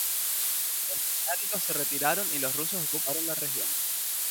Los británicos se retiraron y los rusos ocuparon la región.